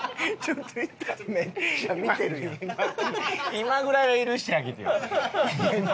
今ぐらいは許してあげてよ。